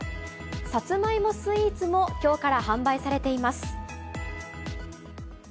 サツマイモスイーツもきょうから販売されています。